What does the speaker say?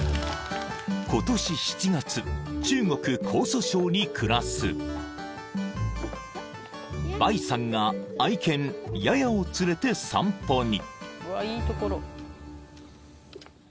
［中国江蘇省に暮らすバイさんが愛犬ヤヤを連れて散歩に］